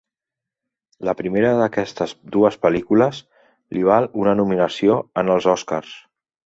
La primera d'aquestes dues pel·lícules li val una nominació en els Oscars.